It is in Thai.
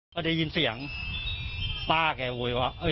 พอได้ยินเสียงป้าแก้โหยวะ